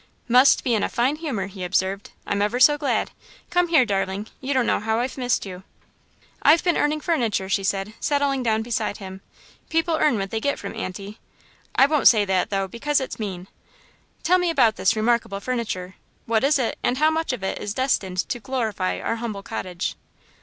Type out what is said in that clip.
"Must be in a fine humour," he observed. "I'm ever so glad. Come here, darling, you don't know how I've missed you." "I've been earning furniture," she said, settling down beside him. "People earn what they get from Aunty I won't say that, though, because it's mean." "Tell me about this remarkable furniture. What is it, and how much of it is destined to glorify our humble cottage?"